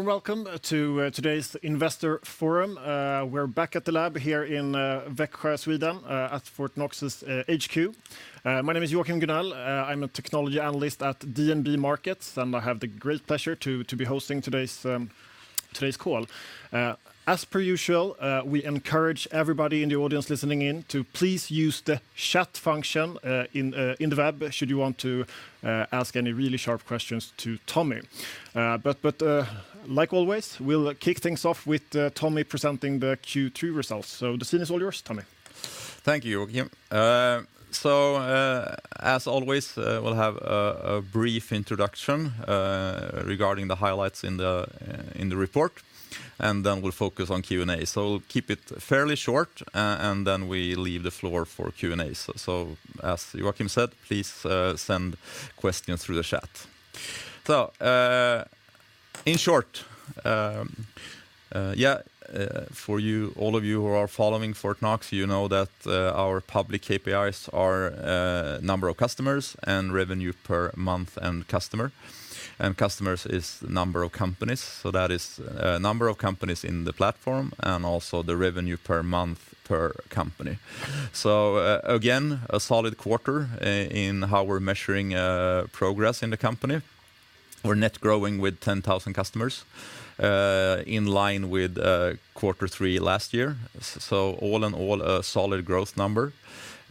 Warm welcome to today's investor forum. We're back at the lab here in Växjö, Sweden, at Fortnox's HQ. My name is Joachim Gunell. I'm a technology analyst at DNB Markets, and I have the great pleasure to be hosting today's call. As per usual, we encourage everybody in the audience listening in to please use the chat function in the web should you want to ask any really sharp questions to Tommy. But like always, we'll kick things off with Tommy presenting the Q2 results. The scene is all yours, Tommy. Thank you, Joachim. As always, we'll have a brief introduction regarding the highlights in the report, and then we'll focus on Q&A. Keep it fairly short, and then we leave the floor for Q&A. As Joachim said, please send questions through the chat. In short, yeah, for you, all of you who are following Fortnox, you know that our public KPIs are number of customers and revenue per month and customer. Customers is number of companies, so that is number of companies in the platform and also the revenue per month per company. Again, a solid quarter in how we're measuring progress in the company. We're net growing with 10,000 customers in line with quarter three last year. All in all, a solid growth number.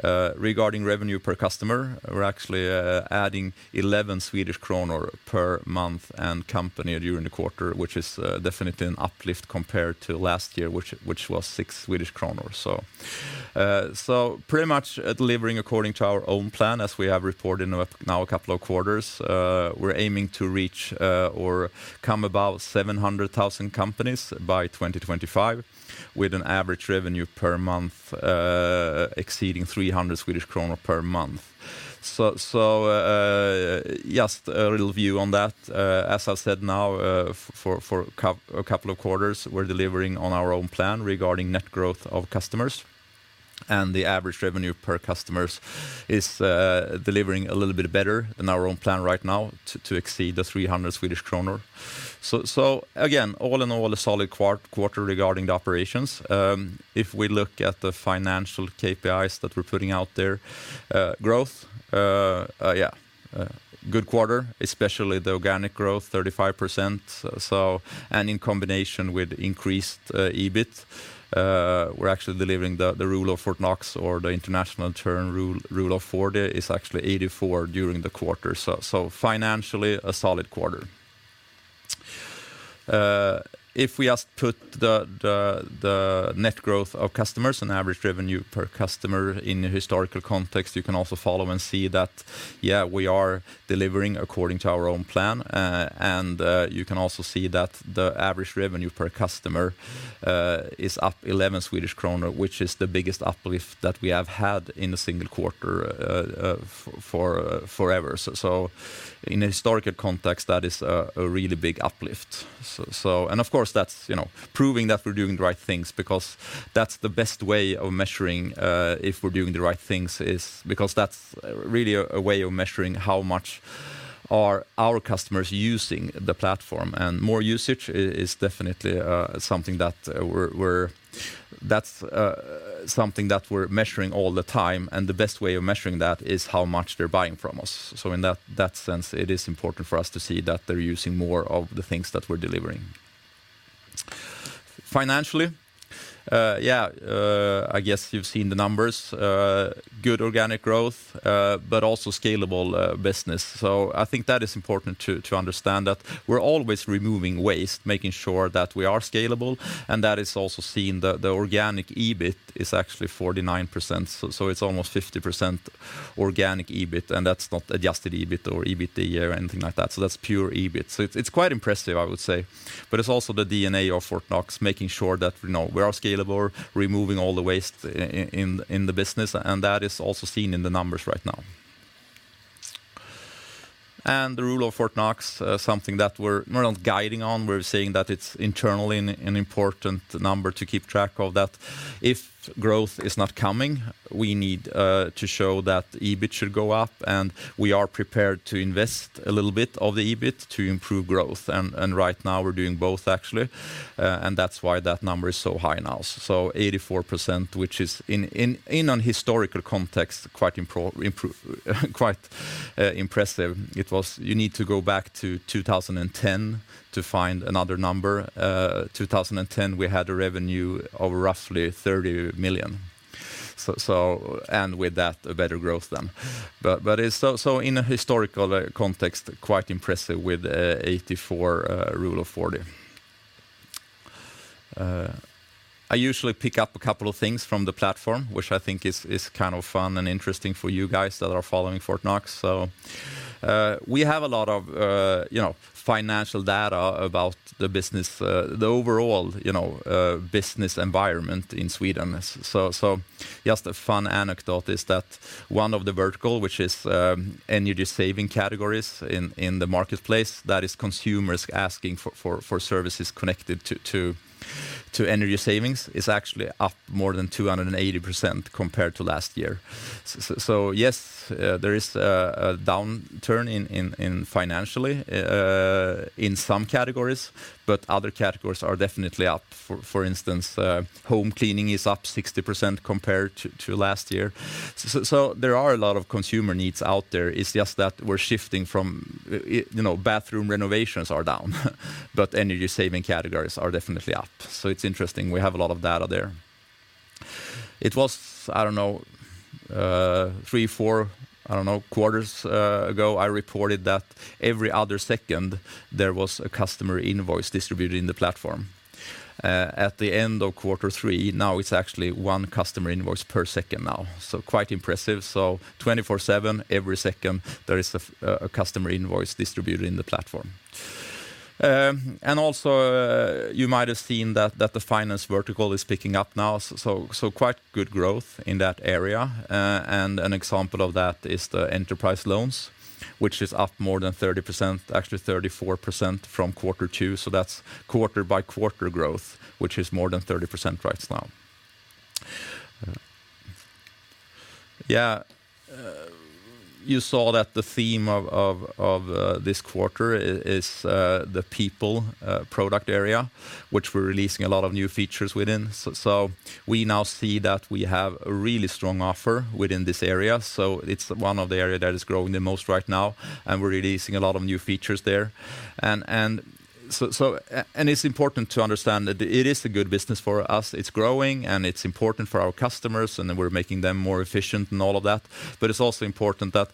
Regarding revenue per customer, we're actually adding 11 Swedish kronor per month per company during the quarter, which is definitely an uplift compared to last year which was 6 Swedish kronor or so. Pretty much delivering according to our own plan as we have reported now a couple of quarters. We're aiming to reach or come about 700,000 companies by 2025, with an average revenue per month exceeding SEK 300 per month. Just a little view on that. As I've said now, for a couple of quarters, we're delivering on our own plan regarding net growth of customers, and the average revenue per customers is delivering a little bit better in our own plan right now to exceed 300 Swedish kronor. Again, all in all, a solid quarter regarding the operations. If we look at the financial KPIs that we're putting out there, growth, good quarter, especially the organic growth, 35%. In combination with increased EBIT, we're actually delivering the Rule of Fortnox or the international term Rule of 40 is actually 84% during the quarter. Financially, a solid quarter. If we just put the net growth of customers and average revenue per customer in a historical context, you can also follow and see that, yeah, we are delivering according to our own plan. You can also see that the average revenue per customer is up 11 Swedish kronor, which is the biggest uplift that we have had in a single quarter, for forever. In a historical context, that is a really big uplift. Of course that's, you know, proving that we're doing the right things because that's the best way of measuring if we're doing the right things is because that's really a way of measuring how much are our customers using the platform. More usage is definitely something that we're measuring all the time, and the best way of measuring that is how much they're buying from us. In that sense, it is important for us to see that they're using more of the things that we're delivering. Financially, I guess you've seen the numbers. Good organic growth, but also scalable business. I think that is important to understand that we're always removing waste, making sure that we are scalable, and that is also seen in the organic EBIT is actually 49%, so it's almost 50% organic EBIT, and that's not adjusted EBIT or EBITDA or anything like that, so that's pure EBIT. It's quite impressive, I would say. It's also the DNA of Fortnox, making sure that, you know, we are scalable, removing all the waste in the business, and that is also seen in the numbers right now. The rule of Fortnox, something that we're not guiding on. We're saying that it's internally an important number to keep track of that. If growth is not coming, we need to show that EBIT should go up, and we are prepared to invest a little bit of the EBIT to improve growth. Right now we're doing both actually, and that's why that number is so high now. 84%, which is in an historical context, quite impressive. It was. You need to go back to 2010 to find another number. 2010, we had a revenue of roughly 30 million. With that, a better growth then. It's in a historical context, quite impressive with 84 Rule of 40. I usually pick up a couple of things from the platform, which I think is kind of fun and interesting for you guys that are following Fortnox. We have a lot of, you know, financial data about the business, the overall, you know, business environment in Sweden. Just a fun anecdote is that one of the vertical, which is energy-saving categories in the marketplace, that is consumers asking for services connected to energy savings, is actually up more than 280% compared to last year. Yes, there is a downturn in financially in some categories, but other categories are definitely up. For instance, home cleaning is up 60% compared to last year. There are a lot of consumer needs out there. It's just that we're shifting from, you know, bathroom renovations are down, but energy-saving categories are definitely up. It's interesting. We have a lot of data there. It was three or four quarters ago, I reported that every other second, there was a customer invoice distributed in the platform. At the end of quarter three, now it's actually one customer invoice per second now. Quite impressive. 24/7, every second, there is a customer invoice distributed in the platform. You might have seen that the finance vertical is picking up now, quite good growth in that area. An example of that is the enterprise loans, which is up more than 30%, actually 34% from quarter two. That's quarter-over-quarter growth, which is more than 30% right now. You saw that the theme of this quarter is the people product area, which we're releasing a lot of new features within. We now see that we have a really strong offer within this area. It's one of the area that is growing the most right now, and we're releasing a lot of new features there. It's important to understand that it is a good business for us. It's growing, and it's important for our customers, and then we're making them more efficient and all of that. It's also important that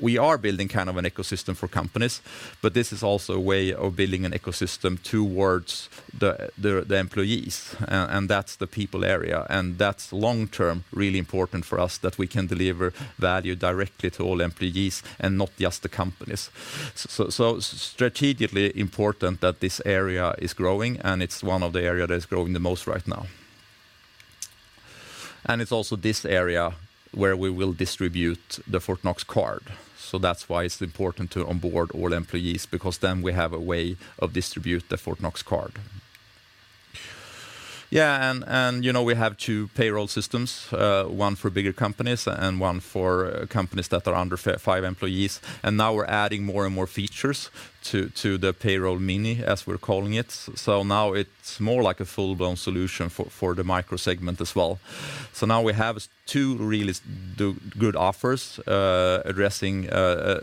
we are building kind of an ecosystem for companies, but this is also a way of building an ecosystem towards the employees, and that's the people area. That's long-term really important for us that we can deliver value directly to all employees and not just the companies. Strategically important that this area is growing, and it's one of the area that is growing the most right now. It's also this area where we will distribute the Fortnox card. That's why it's important to onboard all employees because then we have a way of distribute The Fortnox card. You know, we have two payroll systems, one for bigger companies and one for companies that are under five employees. Now we're adding more and more features to the Payroll Mini, as we're calling it. Now it's more like a full-blown solution for the micro segment as well. Now we have two really good offers, addressing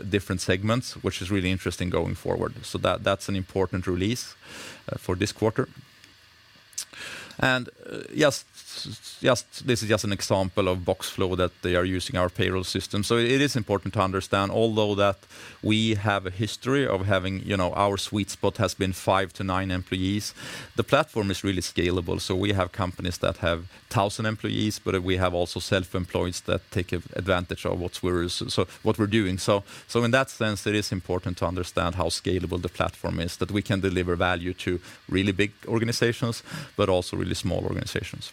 different segments, which is really interesting going forward. That's an important release for this quarter. Yes, this is just an example of Boxflow that they are using our payroll system. It is important to understand, although that we have a history of having, you know, our sweet spot has been five to nine employees, the platform is really scalable. We have companies that have 1,000 employees, but we have also self-employed that take advantage of what we're doing. In that sense, it is important to understand how scalable the platform is, that we can deliver value to really big organizations, but also really small organizations.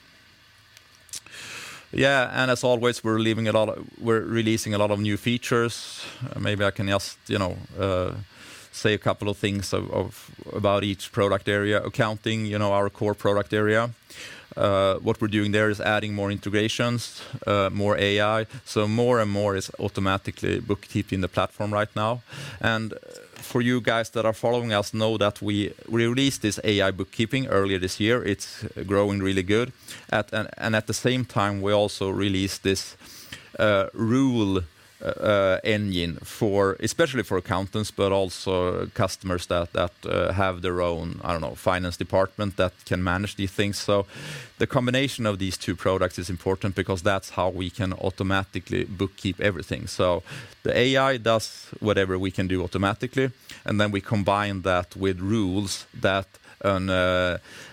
Yeah, as always, we're releasing a lot of new features. Maybe I can just, you know, say a couple of things about each product area. Accounting, you know, our core product area, what we're doing there is adding more integrations, more AI. More and more is automatically bookkeeping in the platform right now. For you guys that are following us, you know that we released this AI bookkeeping earlier this year. It's growing really good. At the same time, we also released this rule engine for especially for accountants, but also customers that have their own, I don't know, finance department that can manage these things. The combination of these two products is important because that's how we can automatically bookkeep everything. The AI does whatever we can do automatically, and then we combine that with rules that an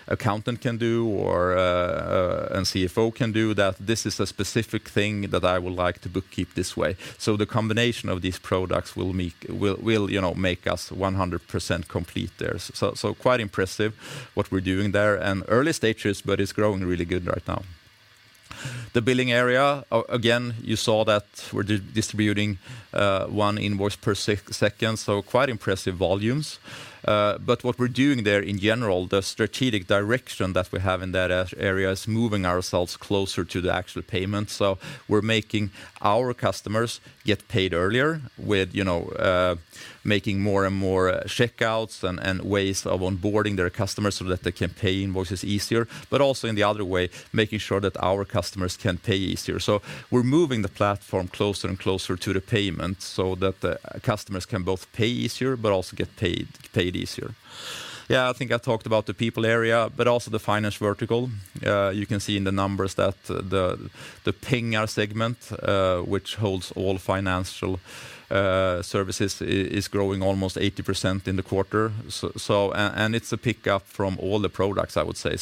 accountant can do or a CFO can do, that this is a specific thing that I would like to bookkeep this way. The combination of these products will make, you know, make us 100% complete there. Quite impressive what we're doing there. Early stages, but it's growing really good right now. The billing area, again, you saw that we're distributing 1 invoice per second, so quite impressive volumes. What we're doing there in general, the strategic direction that we have in that area is moving ourselves closer to the actual payment. We're making our customers get paid earlier with, you know, making more and more checkouts and ways of onboarding their customers so that they can pay invoices easier, but also in the other way, making sure that our customers can pay easier. We're moving the platform closer and closer to the payment so that the customers can both pay easier but also get paid easier. Yeah, I think I talked about the people area, but also the finance vertical. You can see in the numbers that the Pengar segment, which holds all financial services, is growing almost 80% in the quarter. It's a pickup from all the products, I would say.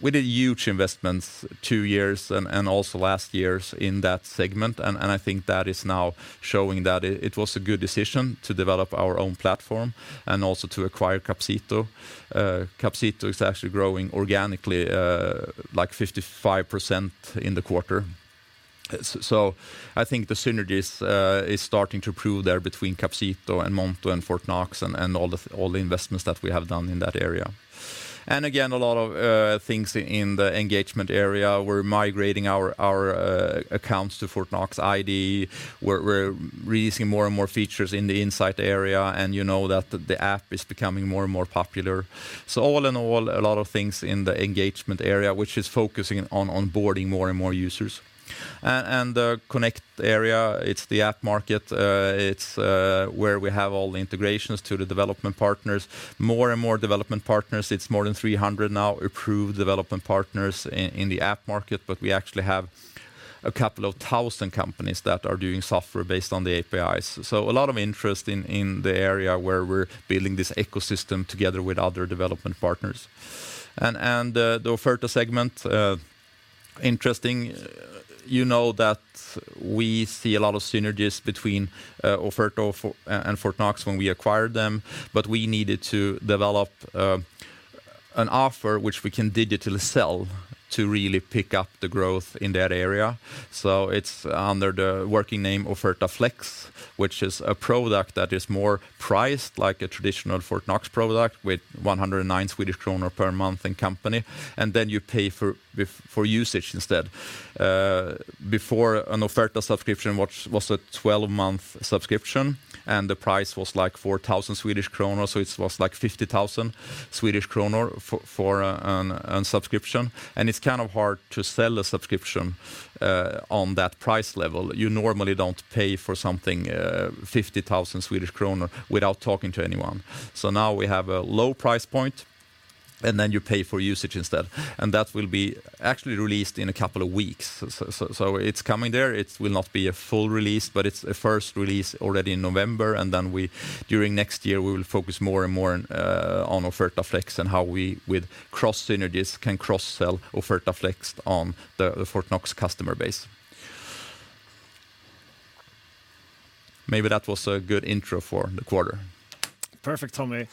We did huge investments two years and also last year in that segment. I think that is now showing that it was a good decision to develop our own platform and also to acquire Capcito. Capcito is actually growing organically like 55% in the quarter. So I think the synergies is starting to prove there between Capcito and Monto and Fortnox and all the investments that we have done in that area. Again, a lot of things in the engagement area. We're migrating our accounts to Fortnox ID. We're releasing more and more features in the insight area, and you know that the app is becoming more and more popular. All in all, a lot of things in the engagement area, which is focusing on onboarding more and more users. The connect area, it's the app market where we have all the integrations to the development partners. More and more development partners. It's more than 300 now approved development partners in the app market. We actually have a couple of thousand companies that are doing software based on the APIs. A lot of interest in the area where we're building this ecosystem together with other development partners. The Offerta segment, interesting. You know that we see a lot of synergies between Offerta and Fortnox when we acquired them, but we needed to develop an offer which we can digitally sell to really pick up the growth in that area. It's under the working name Offerta Flex, which is a product that is more priced like a traditional Fortnox product with 109 Swedish kronor per month and company, and then you pay for usage instead. Before an Offerta subscription, which was a 12-month subscription, and the price was like 4,000 Swedish kronor, so it was like 50,000 Swedish kronor for a subscription. It's kind of hard to sell a subscription on that price level. You normally don't pay for something 50,000 Swedish kronor without talking to anyone. Now we have a low price point, and then you pay for usage instead. That will be actually released in a couple of weeks. It's coming there. It will not be a full release, but it's a first release already in November. During next year, we will focus more and more on Offerta Flex and how we, with cross synergies, can cross-sell Offerta Flex on the Fortnox customer base. Maybe that was a good intro for the quarter. Perfect, Tommy.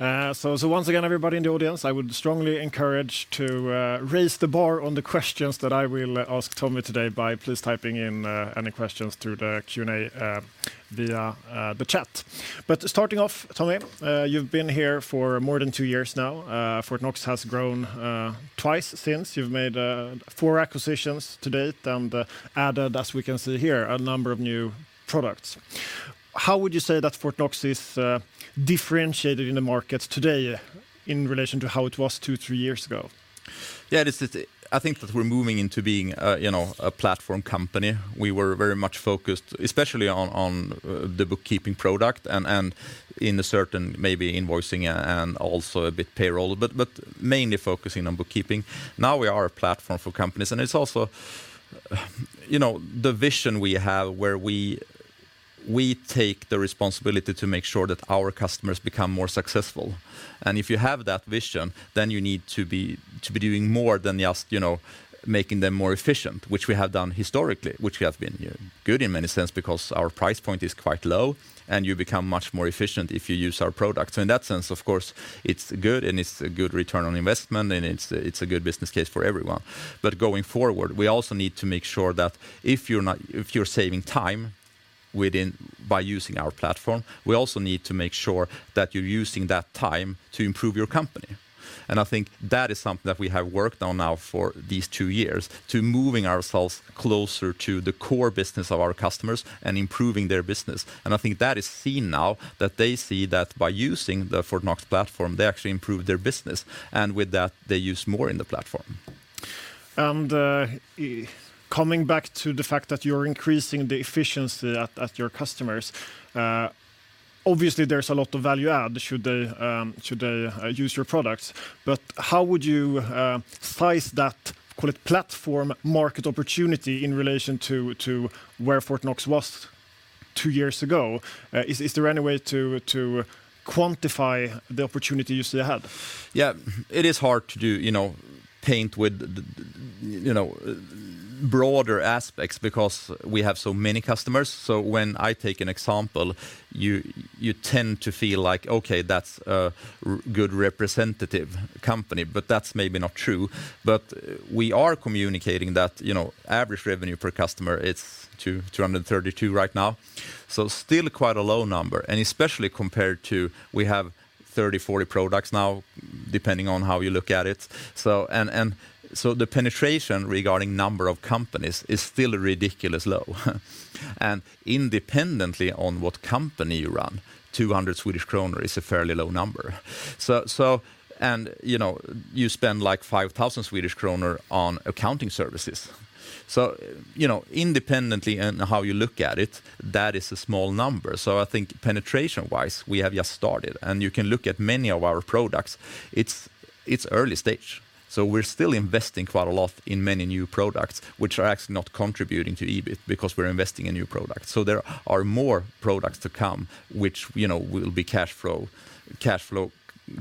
Once again, everybody in the audience, I would strongly encourage to raise the bar on the questions that I will ask Tommy today by please typing in any questions through the Q&A via the chat. Starting off, Tommy, you've been here for more than two years now. Fortnox has grown twice since. You've made four acquisitions to date and added, as we can see here, a number of new products. How would you say that Fortnox is differentiated in the market today in relation to how it was two, three years ago? I think that we're moving into being, you know, a platform company. We were very much focused, especially on the bookkeeping product and in a certain maybe invoicing and also a bit payroll, but mainly focusing on bookkeeping. Now we are a platform for companies, and it's also, you know, the vision we have where we take the responsibility to make sure that our customers become more successful. If you have that vision, then you need to be doing more than just, you know, making them more efficient, which we have done historically, which we have been, you know, good in many sense because our price point is quite low and you become much more efficient if you use our product. In that sense, of course, it's good and it's a good return on investment, and it's a good business case for everyone. Going forward, we also need to make sure that if you're saving time by using our platform, we also need to make sure that you're using that time to improve your company. I think that is something that we have worked on now for these two years, to moving ourselves closer to the core business of our customers and improving their business. I think that is seen now, that they see that by using the Fortnox platform, they actually improve their business, and with that, they use more in the platform. Coming back to the fact that you're increasing the efficiency at your customers, obviously there's a lot of value add should they use your products. How would you size that, call it platform market opportunity in relation to where Fortnox was two years ago? Is there any way to quantify the opportunity you still have? Yeah. It is hard to do, you know, paint with, you know, broader aspects because we have so many customers. When I take an example, you tend to feel like, okay, that's a good representative company, but that's maybe not true. We are communicating that, you know, average revenue per customer, it's 232 right now, so still quite a low number, and especially compared to we have 30, 40 products now, depending on how you look at it. And so the penetration regarding number of companies is still ridiculously low. Independent of what company you run, 200 Swedish kronor is a fairly low number. You know, you spend like 5,000 Swedish kronor on accounting services. You know, independent of how you look at it, that is a small number. I think penetration-wise, we have just started. You can look at many of our products. It's early stage. We're still investing quite a lot in many new products, which are actually not contributing to EBIT because we're investing in new products. There are more products to come which, you know, will be cash flow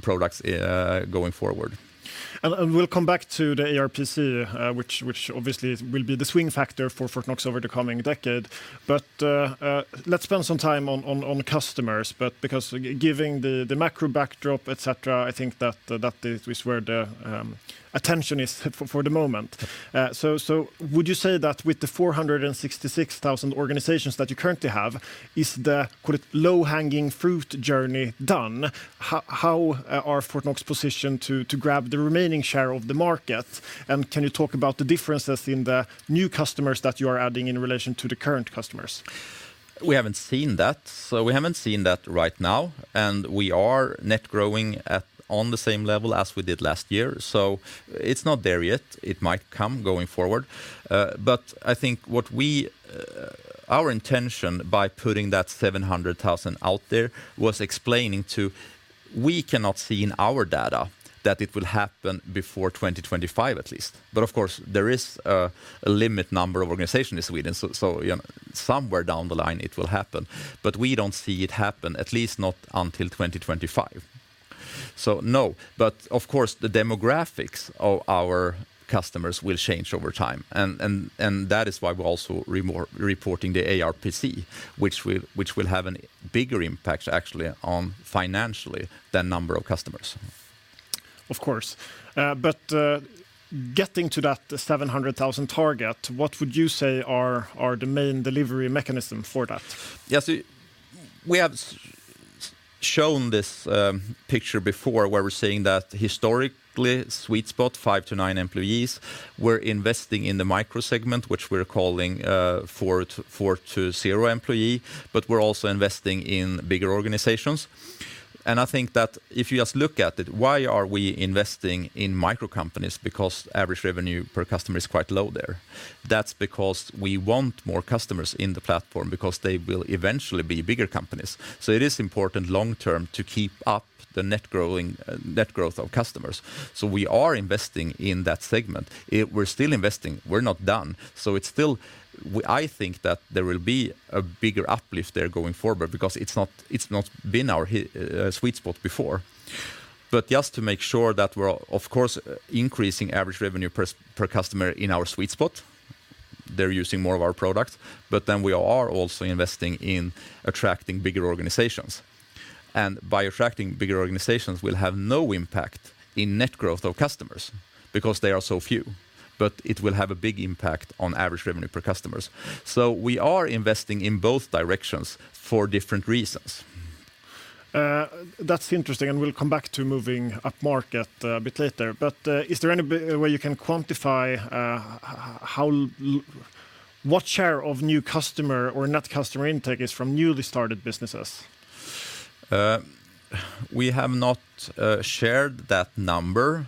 products going forward. We'll come back to the ARPC, which obviously will be the swing factor for Fortnox over the coming decade. Let's spend some time on customers. Because giving the macro backdrop, et cetera, I think that is where the attention is for the moment. So would you say that with the 466,000 organizations that you currently have, is the call it low-hanging fruit journey done? How are Fortnox positioned to grab the remaining share of the market? Can you talk about the differences in the new customers that you are adding in relation to the current customers? We haven't seen that. We haven't seen that right now, and we are net growing at on the same level as we did last year. It's not there yet. It might come going forward. I think what our intention by putting that 700,000 out there was explaining to we cannot see in our data that it will happen before 2025 at least. Of course, there is a limit number of organization in Sweden, so you know, somewhere down the line it will happen. We don't see it happen, at least not until 2025. No. Of course, the demographics of our customers will change over time, and that is why we're also reporting the ARPC, which will have a bigger impact actually financially than number of customers. Of course. Getting to that, the 700,000 target, what would you say are the main delivery mechanism for that? Yeah, we have shown this picture before where we're saying that historically sweet spot, five to nine employees, we're investing in the micro segment, which we're calling four to zero employees, but we're also investing in bigger organizations. I think that if you just look at it, why are we investing in micro companies because average revenue per customer is quite low there? That's because we want more customers in the platform because they will eventually be bigger companies. It is important long-term to keep up the net growth of customers. We are investing in that segment. We're still investing. We're not done. It's still. I think that there will be a bigger uplift there going forward because it's not been our sweet spot before. Just to make sure that we're of course increasing average revenue per customer in our sweet spot, they're using more of our product, but then we are also investing in attracting bigger organizations. By attracting bigger organizations will have no impact in net growth of customers because they are so few, but it will have a big impact on average revenue per customers. We are investing in both directions for different reasons. That's interesting, and we'll come back to moving upmarket a bit later. Is there any way you can quantify what share of new customer or net customer intake is from newly started businesses? We have not shared that number,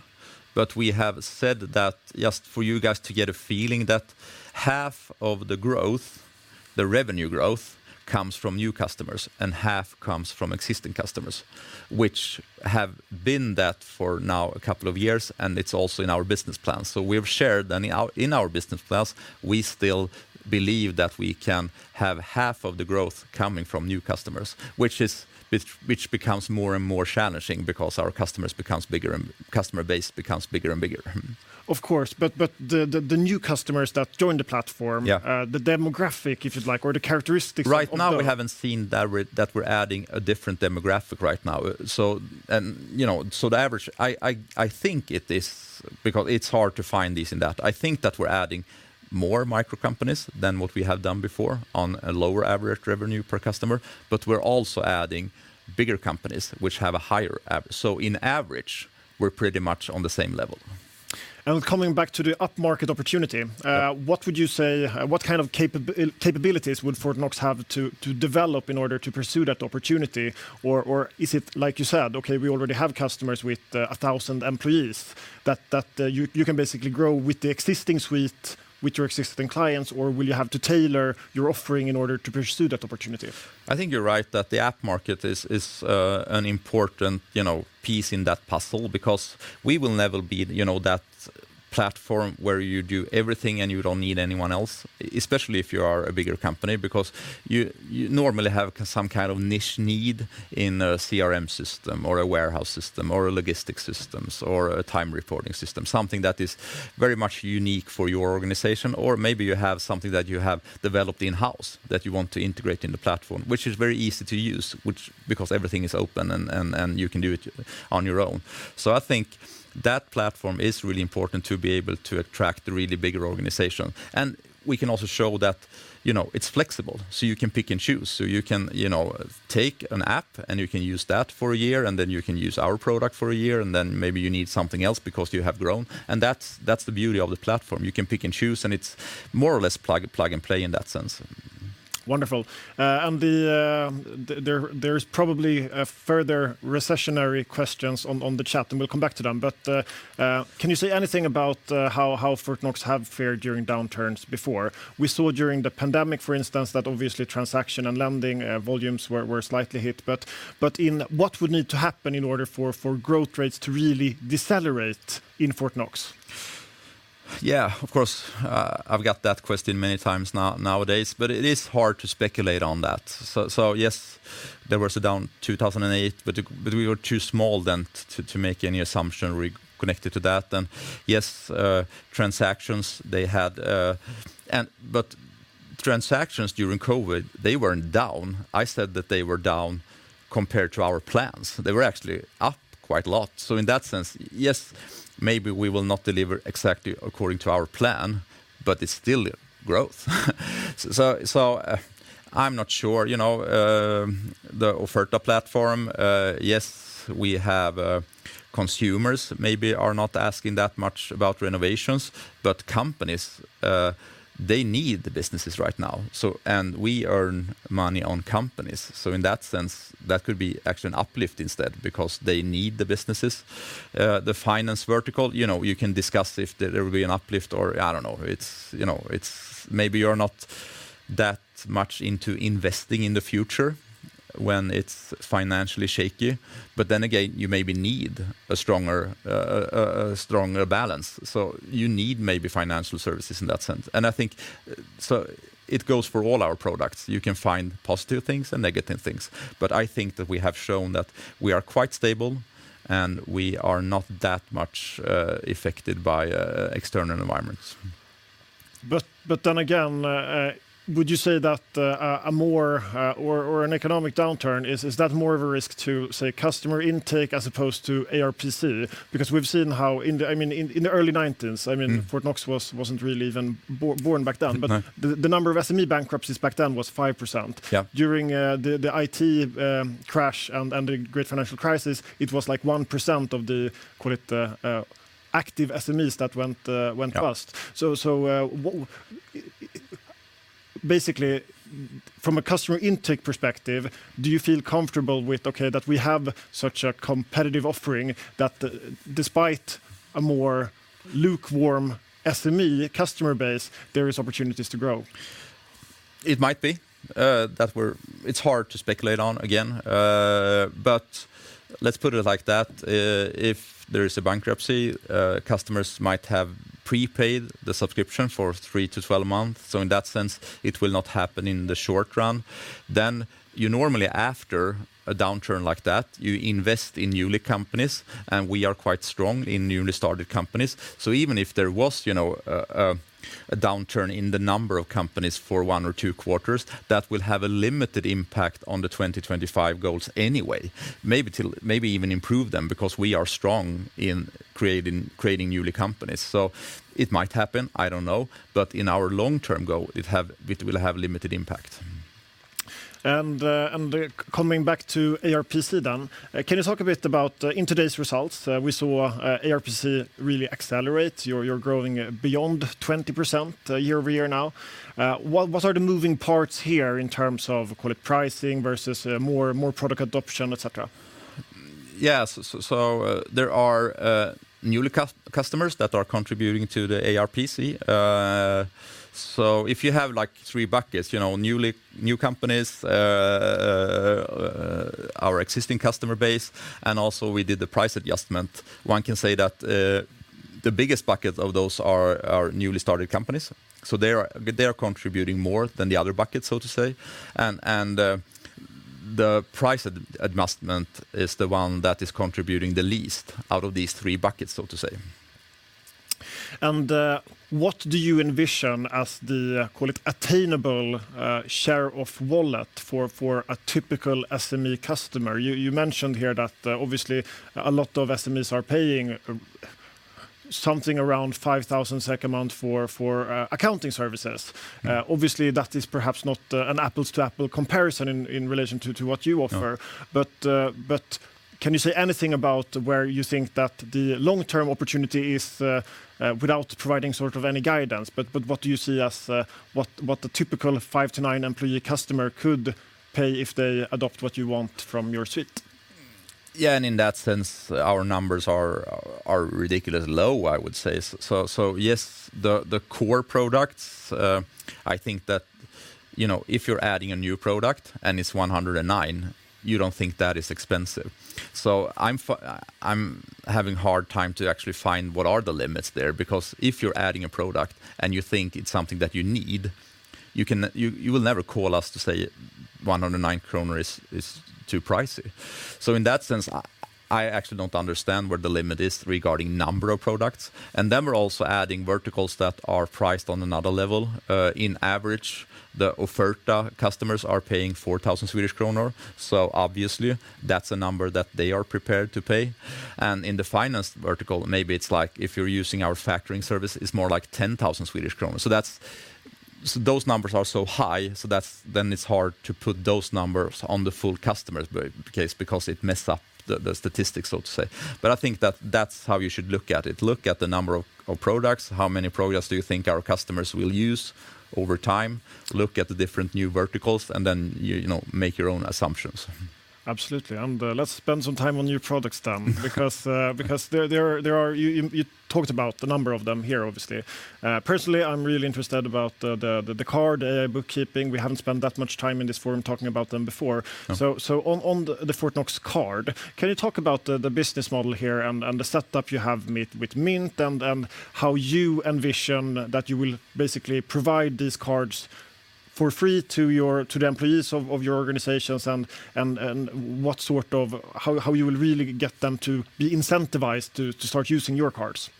but we have said that just for you guys to get a feeling that half of the growth, the revenue growth, comes from new customers and half comes from existing customers, which have been that for now a couple of years, and it's also in our business plan. We've shared then in our business plans, we still believe that we can have half of the growth coming from new customers, which becomes more and more challenging because our customers becomes bigger and customer base becomes bigger and bigger. Of course. The new customers that join the platform. Yeah the demographic, if you'd like, or the characteristics of those. Right now we haven't seen that we're adding a different demographic right now. You know, I think it is because it's hard to find this and that. I think that we're adding more micro companies than what we have done before on a lower average revenue per customer, but we're also adding bigger companies which have a higher average. On average, we're pretty much on the same level. Coming back to the upmarket opportunity. Yeah What would you say, what kind of capabilities would Fortnox have to develop in order to pursue that opportunity? Or is it like you said, "Okay, we already have customers with 1,000 employees," that you can basically grow with the existing suite with your existing clients, or will you have to tailor your offering in order to pursue that opportunity? I think you're right that the app market is an important, you know, piece in that puzzle because we will never be, you know, that platform where you do everything and you don't need anyone else, especially if you are a bigger company, because you normally have some kind of niche need in a CRM system or a warehouse system or a logistics systems or a time reporting system, something that is very much unique for your organization. Or maybe you have something that you have developed in-house that you want to integrate in the platform, which is very easy to use, because everything is open and you can do it on your own. I think that platform is really important to be able to attract the really bigger organization. We can also show that, you know, it's flexible, so you can pick and choose. You can, you know, take an app and you can use that for a year, and then you can use our product for a year, and then maybe you need something else because you have grown. That's the beauty of the platform. You can pick and choose, and it's more or less plug and play in that sense. Wonderful. There’s probably further recessionary questions on the chat, and we’ll come back to them. Can you say anything about how Fortnox have fared during downturns before? We saw during the pandemic, for instance, that obviously transaction and lending volumes were slightly hit. What would need to happen in order for growth rates to really decelerate in Fortnox? Yeah, of course, I've got that question many times nowadays, but it is hard to speculate on that. Yes, there was a downturn in 2008, but we were too small then to make any assumption connected to that. Yes, transactions they had. Transactions during COVID, they weren't down. I said that they were down compared to our plans. They were actually up quite a lot. In that sense, yes, maybe we will not deliver exactly according to our plan, but it's still growth. I'm not sure, you know, the Offerta platform. Yes, we have consumers maybe are not asking that much about renovations, but companies, they need the businesses right now. We earn money on companies, so in that sense, that could be actually an uplift instead because they need the businesses. The finance vertical, you know, you can discuss if there will be an uplift or I don't know. It's, you know, it's maybe you're not that much into investing in the future when it's financially shaky, but then again, you maybe need a stronger balance, so you need maybe financial services in that sense. I think, so it goes for all our products. You can find positive things and negative things, but I think that we have shown that we are quite stable, and we are not that much affected by external environments. Would you say that an economic downturn is it more of a risk to customer intake as opposed to ARPC? Because we've seen how, I mean, in the early 1990s. Mm-hmm I mean, Fortnox wasn't really even born back then. Mm-hmm. The number of SME bankruptcies back then was 5%. Yeah. During the IT crash and the Great Financial Crisis, it was, like, 1% of the, call it, active SMEs that went bust. Yeah. Basically from a customer intake perspective, do you feel comfortable with, okay, that we have such a competitive offering that despite a more lukewarm SME customer base, there is opportunities to grow? It might be. It's hard to speculate on again. Let's put it like that. If there is a bankruptcy, customers might have prepaid the subscription for 3-12 months, so in that sense it will not happen in the short run. You normally, after a downturn like that, invest in new companies, and we are quite strong in newly started companies. Even if there was a downturn in the number of companies for one or two quarters, that will have a limited impact on the 2025 goals anyway. Maybe it'll, maybe even improve them because we are strong in creating new companies. It might happen. I don't know. In our long-term goal, it will have limited impact. Coming back to ARPC then, can you talk a bit about, in today's results, we saw ARPC really accelerate. You're growing beyond 20% year-over-year now. What are the moving parts here in terms of, call it, pricing versus, more product adoption, et cetera? Yes. There are new customers that are contributing to the ARPC. If you have, like, three buckets, you know, new companies, our existing customer base, and also we did the price adjustment. One can say that the biggest bucket of those are our newly started companies, so they are contributing more than the other buckets, so to say. The price adjustment is the one that is contributing the least out of these three buckets, so to say. What do you envision as the, call it, attainable share of wallet for a typical SME customer? You mentioned here that obviously a lot of SMEs are paying something around 5,000 a month for accounting services. Mm. Obviously, that is perhaps not an apples-to-apples comparison in relation to what you offer. No. Can you say anything about where you think that the long-term opportunity is, without providing sort of any guidance, but what do you see as what the typical five to nine employee customer could pay if they adopt what you want from your suite? Yeah, in that sense, our numbers are ridiculously low, I would say. Yes, the core products, I think that, you know, if you're adding a new product and it's 109, you don't think that is expensive. I'm having hard time to actually find what are the limits there because if you're adding a product and you think it's something that you need, you will never call us to say 109 kronor is too pricey. In that sense, I actually don't understand where the limit is regarding number of products. We're also adding verticals that are priced on another level. On average, the Offerta customers are paying 4,000 Swedish kronor, so obviously that's a number that they are prepared to pay. In the finance vertical, maybe it's, like, if you're using our factoring service, it's more like 10,000 Swedish kronor. Those numbers are so high, so then it's hard to put those numbers on the full customer base case because it messes up the statistics, so to say. I think that's how you should look at it. Look at the number of products. How many products do you think our customers will use over time? Look at the different new verticals, and then you know, make your own assumptions. Absolutely. Let's spend some time on new products then. Because there are. You talked about a number of them here, obviously. Personally, I'm really interested about the card, bookkeeping. We haven't spent that much time in this forum talking about them before. Yeah. On the Fortnox card, can you talk about the business model here and the setup you have made with Mynt and how you envision that you will basically provide these cards for free to the employees of your organizations and how you will really get them to be incentivized to start using your cards?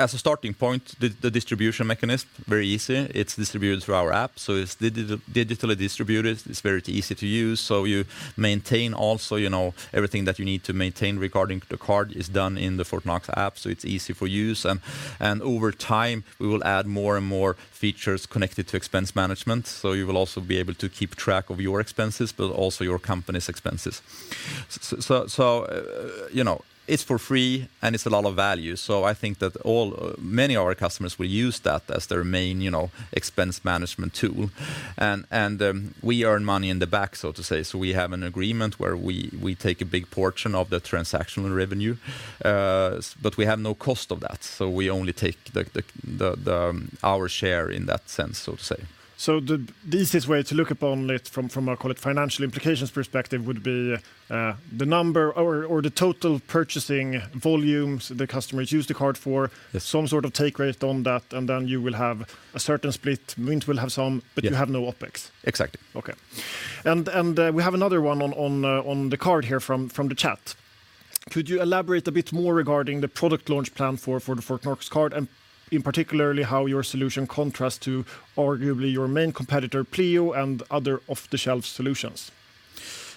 As a starting point, the distribution mechanism very easy. It's distributed through our app, so it's digitally distributed. It's very easy to use, so you maintain also, you know, everything that you need to maintain regarding the card is done in the Fortnox app, so it's easy for use. We will add more and more features connected to expense management, so you will also be able to keep track of your expenses but also your company's expenses. You know, it's for free, and it's a lot of value, so I think that many of our customers will use that as their main, you know, expense management tool. We earn money in the back, so to say. We have an agreement where we take a big portion of the transactional revenue, but we have no cost of that, so we only take our share in that sense, so to say. The easiest way to look upon it from a call it financial implications perspective would be the number or the total purchasing volumes the customers use the card for. Yes Some sort of take rate on that, and then you will have a certain split. Monto will have some- Yeah You have no OPEX. Exactly. Okay. We have another one on the card here from the chat. Could you elaborate a bit more regarding the product launch plan for the Fortnox Företagskort and in particular how your solution contrasts to arguably your main competitor Pleo and other off-the-shelf solutions?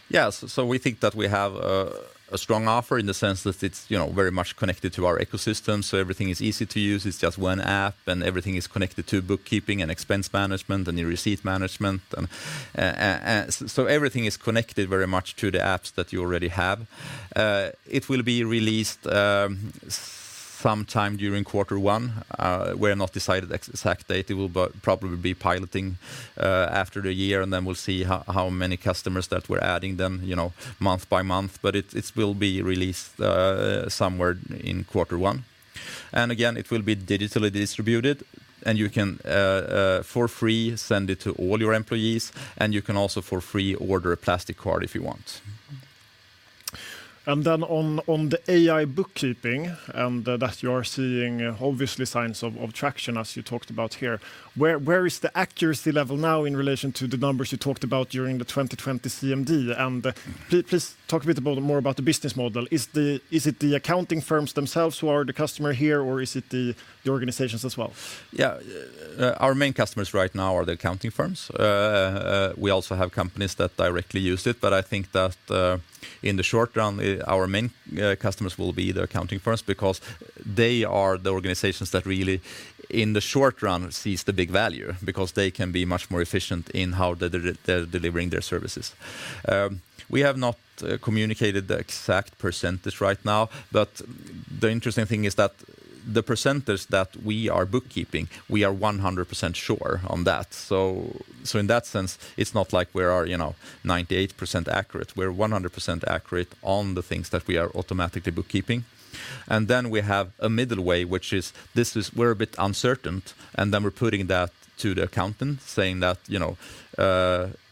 Yes. We think that we have a strong offer in the sense that it's, you know, very much connected to our ecosystem, so everything is easy to use. It's just one app, and everything is connected to bookkeeping and expense management and the receipt management. Everything is connected very much to the apps that you already have. It will be released sometime during quarter one. We have not decided exact date. It will probably be piloting after the year, and then we'll see how many customers that we're adding then, you know, month by month. It will be released somewhere in quarter one. It will be digitally distributed, and you can for free send it to all your employees, and you can also for free order a plastic card if you want. On the AI bookkeeping that you are seeing, obviously, signs of traction as you talked about here, where is the accuracy level now in relation to the numbers you talked about during the 2020 CMD? Please talk a bit more about the business model. Is it the accounting firms themselves who are the customer here, or is it the organizations as well? Yeah. Our main customers right now are the accounting firms. We also have companies that directly use it, but I think that, in the short run, our main customers will be the accounting firms because they are the organizations that really, in the short run, sees the big value because they can be much more efficient in how they're delivering their services. We have not communicated the exact percentage right now, but the interesting thing is that the percentage that we are bookkeeping, we are 100% sure on that. So in that sense, it's not like we are, you know, 98% accurate. We're 100% accurate on the things that we are automatically bookkeeping. Then we have a middle way, which is, we're a bit uncertain, and then we're putting that to the accountant saying that, you know,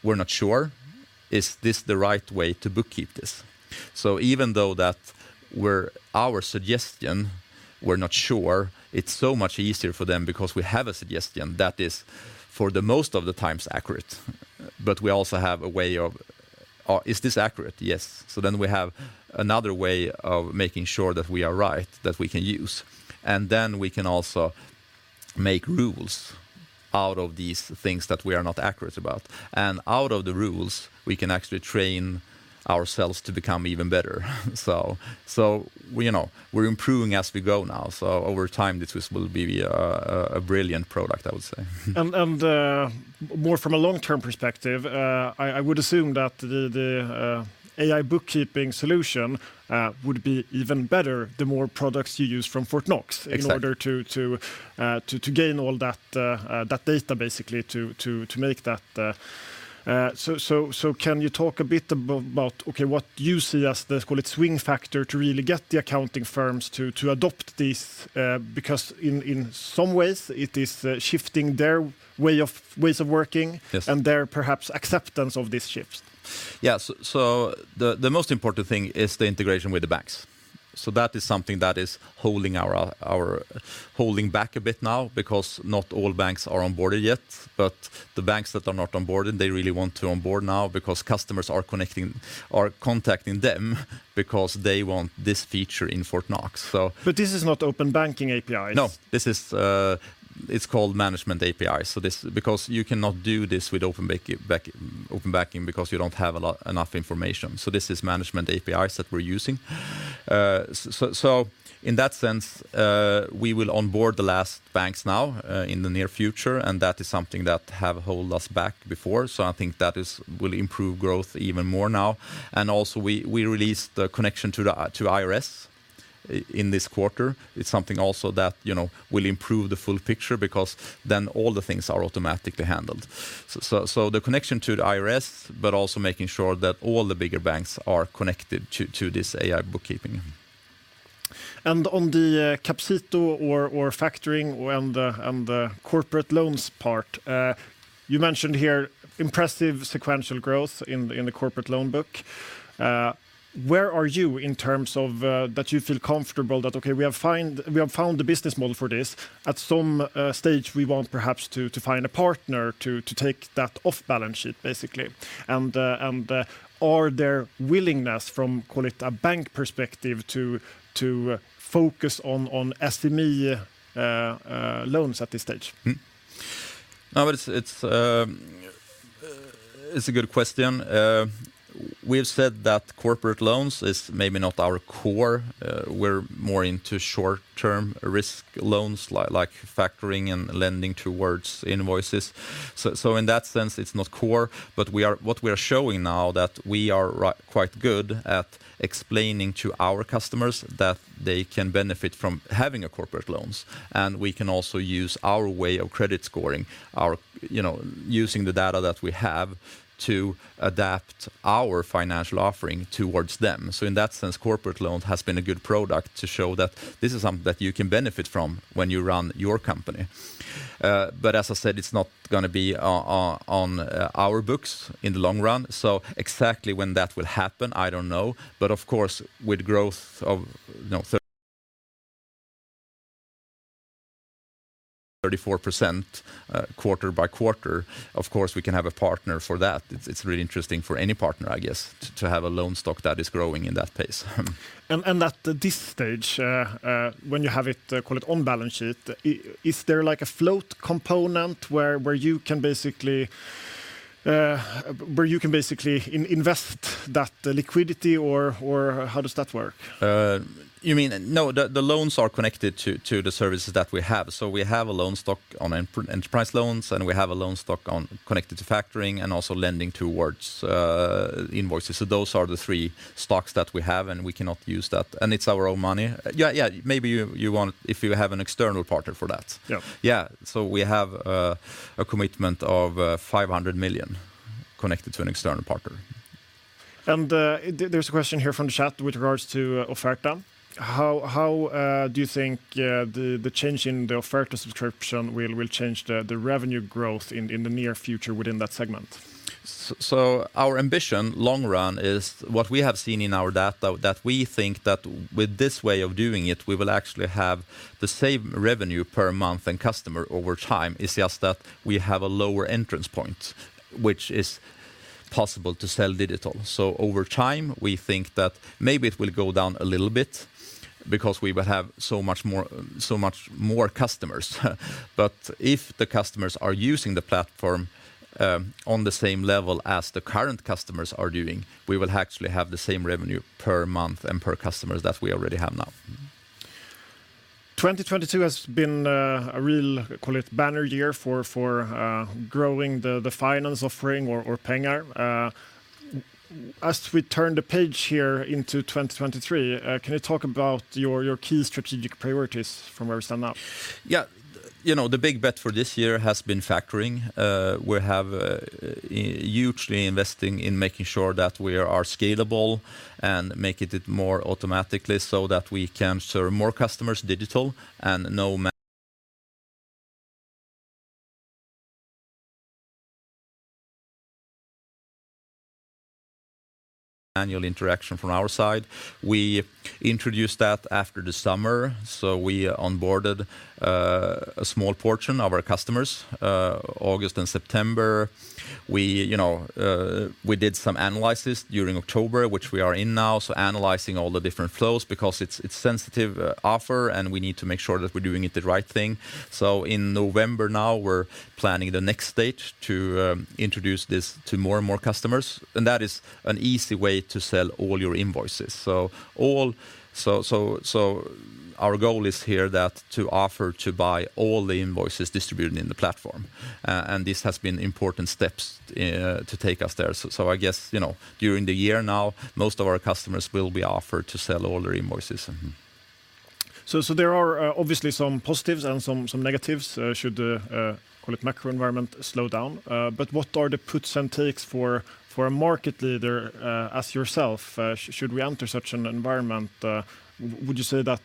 "We're not sure. Is this the right way to bookkeep this?" Even though our suggestion, we're not sure, it's so much easier for them because we have a suggestion that is most of the time accurate. We also have a way of, "Is this accurate?" "Yes." Then we have another way of making sure that we are right that we can use, and then we can also make rules out of these things that we are not accurate about. Out of the rules, we can actually train ourselves to become even better. We, you know, we're improving as we go now, so over time, this was. will be a brilliant product, I would say. More from a long-term perspective, I would assume that the AI bookkeeping solution would be even better the more products you use from Fortnox. Exactly In order to gain all that data basically to make that. Can you talk a bit about, okay, what you see as the, call it, swing factor to really get the accounting firms to adopt this, because in some ways it is shifting their ways of working. Yes... their perhaps acceptance of these shifts. Yeah. The most important thing is the integration with the banks. That is something that is holding us back a bit now because not all banks are on board yet. The banks that are not on board, they really want to onboard now because customers are connecting or contacting them because they want this feature in Fortnox. This is not Open Banking APIs. No. It's called management API because you cannot do this with open banking because you don't have enough information. This is management APIs that we're using. In that sense, we will onboard the last banks now in the near future, and that is something that have hold us back before. I think that will improve growth even more now. Also, we released the connection to Skatteverket in this quarter. It's something also that, you know, will improve the full picture because then all the things are automatically handled. The connection to the Skatteverket but also making sure that all the bigger banks are connected to this AI bookkeeping. On the Capcito or factoring and the corporate loans part, you mentioned here impressive sequential growth in the corporate loan book. Where are you in terms of that you feel comfortable that, okay, we have found the business model for this. At some stage we want perhaps to find a partner to take that off balance sheet, basically. Are there willingness from, call it, a bank perspective to focus on SME loans at this stage? No, it's a good question. We've said that corporate loans is maybe not our core. We're more into short-term risk loans like factoring and lending towards invoices. In that sense, it's not core, but what we are showing now is that we are quite good at explaining to our customers that they can benefit from having corporate loans, and we can also use our way of credit scoring, our, you know, using the data that we have to adapt our financial offering towards them. In that sense, corporate loans has been a good product to show that this is something that you can benefit from when you run your company. As I said, it's not gonna be on our books in the long run. Exactly when that will happen, I don't know, but of course, with growth of, you know, 34%, quarter by quarter, of course, we can have a partner for that. It's really interesting for any partner, I guess, to have a loan stock that is growing in that pace. At this stage, when you have it, call it on balance sheet, is there like a float component where you can basically invest that liquidity or how does that work? No, the loans are connected to the services that we have. We have a loan stock on enterprise loans, and we have a loan stock connected to factoring and also lending towards invoices. Those are the three stocks that we have, and we can use that, and it's our own money. Yeah, maybe you want, if you have an external partner for that. Yeah. Yeah. We have a commitment of 500 million connected to an external partner. There's a question here from the chat with regards to Offerta. How do you think the change in the Offerta subscription will change the revenue growth in the near future within that segment? Our ambition long run is what we have seen in our data that we think that with this way of doing it, we will actually have the same revenue per month and customer over time. It's just that we have a lower entrance point, which is possible to sell digital. Over time, we think that maybe it will go down a little bit because we will have so much more customers. If the customers are using the platform, on the same level as the current customers are doing, we will actually have the same revenue per month and per customers that we already have now. 2022 has been a real, call it banner year for growing the finance offering or Pengar. As we turn the page here into 2023, can you talk about your key strategic priorities from where we stand now? Yeah. You know, the big bet for this year has been factoring. We have hugely investing in making sure that we are scalable and making it more automatically so that we can serve more customers digitally and no manual interaction from our side. We introduced that after the summer, so we onboarded a small portion of our customers August and September. We did some analysis during October, which we are in now, so analyzing all the different flows because it's sensitive offer, and we need to make sure that we're doing it the right thing. In November now, we're planning the next stage to introduce this to more and more customers, and that is an easy way to sell all your invoices. Our goal is here that to offer to buy all the invoices distributed in the platform, and this has been important steps to take us there. I guess, you know, during the year now, most of our customers will be offered to sell all their invoices. There are obviously some positives and some negatives should the call it macro environment slow down. What are the puts and takes for a market leader as yourself should we enter such an environment? Would you say that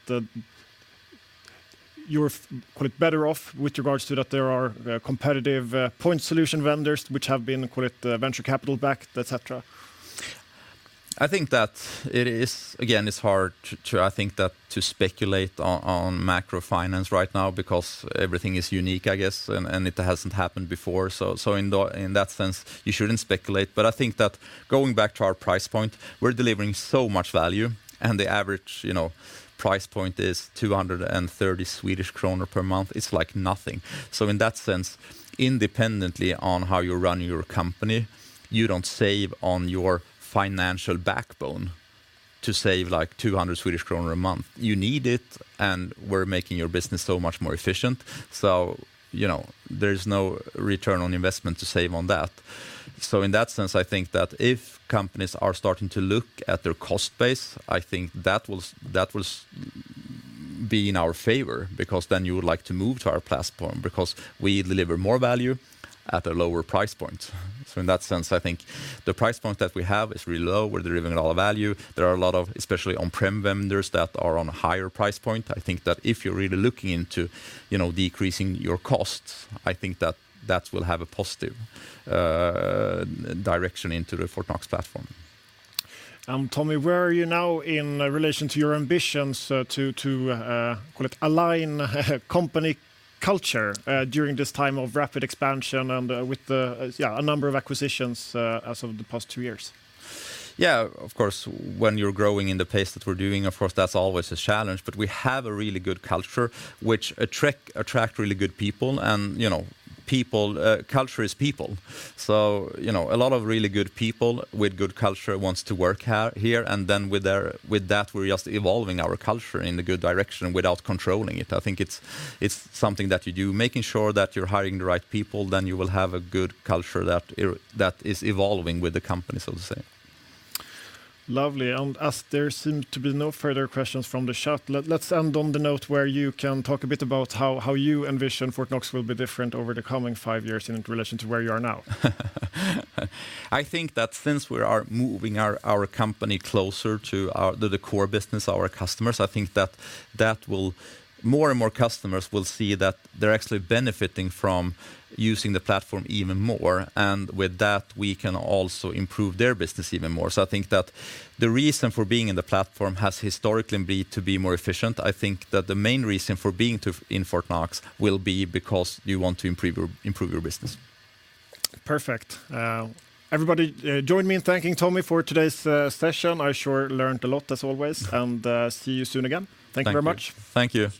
you're call it better off with regards to that there are competitive point solution vendors which have been call it venture capital backed, et cetera? I think it's hard to speculate on macrofinance right now because everything is unique, I guess, and it hasn't happened before. In that sense, you shouldn't speculate, but I think that going back to our price point, we're delivering so much value, and the average, you know, price point is 230 Swedish kronor per month. It's like nothing. In that sense, independent of how you're running your company, you don't save on your financial backbone to save, like, 200 Swedish kronor a month. You need it, and we're making your business so much more efficient, so you know, there's no return on investment to save on that. In that sense, I think that if companies are starting to look at their cost base, I think that will be in our favor because then you would like to move to our platform because we deliver more value at a lower price point. In that sense, I think the price point that we have is really low. We're delivering a lot of value. There are a lot of especially on-prem vendors that are on a higher price point. I think that if you're really looking into, you know, decreasing your costs, I think that will have a positive direction into the Fortnox platform. Tommy, where are you now in relation to your ambitions to call it align company culture during this time of rapid expansion and with the a number of acquisitions as of the past two years? Yeah. Of course, when you're growing in the pace that we're doing, of course, that's always a challenge, but we have a really good culture, which attract really good people. You know, people, culture is people, so you know, a lot of really good people with good culture wants to work here, and then with that, we're just evolving our culture in a good direction without controlling it. I think it's something that you do, making sure that you're hiring the right people, then you will have a good culture that is evolving with the company, so to say. Lovely. As there seem to be no further questions from the chat, let's end on the note where you can talk a bit about how you envision Fortnox will be different over the coming five years in relation to where you are now. I think that since we are moving our company closer to the core business, our customers, I think that will. More and more customers will see that they're actually benefiting from using the platform even more, and with that, we can also improve their business even more. I think that the reason for being in the platform has historically been to be more efficient. I think that the main reason for being in Fortnox will be because you want to improve your business. Perfect. Everybody, join me in thanking Tommy for today's session. I sure learned a lot as always, and see you soon again. Thank you. Thank you very much. Thank you.